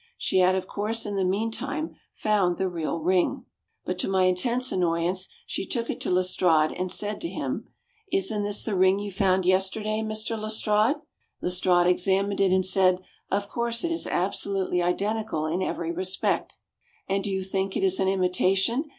She had of course in the meantime found the real ring. But to my intense annoyance she took it to Lestrade and said to him: "Isn't this the ring you found yesterday, Mr Lestrade?" Lestrade examined it and said, "Of course it is absolutely identical in every respect." "And do you think it is an imitation?"